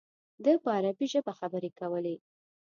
ده په عربي ژبه خبرې کولې.